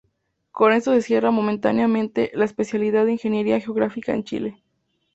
Con esto se cierra momentáneamente la especialidad de ingeniería geográfica en Chile.